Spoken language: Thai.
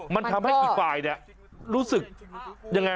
มันทำให้อีกฝ่ายเนี่ยรู้สึกยังไง